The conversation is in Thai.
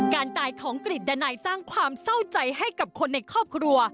การตายของกริตดันัยสร้างความเศร้าใจให้กับคนในครอบครัว